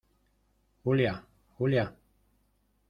Julia, Julia.